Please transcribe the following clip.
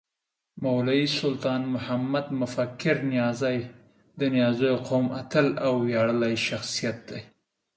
مولوي سلطان محمد مفکر نیازی د نیازيو قوم اتل او وياړلی شخصیت دی